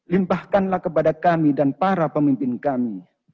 limpahkanlah kepada kami dan para pemimpin kami